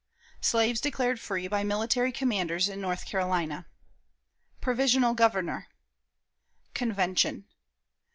Slaves declared free by Military Commanders in North Carolina. Provisional Governor. Convention.